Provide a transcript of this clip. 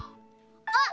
あっ！